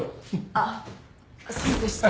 あっそうでした。